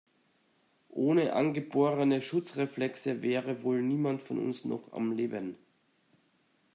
Ohne angeborene Schutzreflexe wäre wohl niemand von uns noch am Leben.